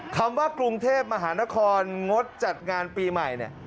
คำว่ากรุงเทพมหานครงดจัดงานปีใหม่เนี่ย